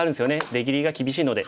出切りが厳しいので。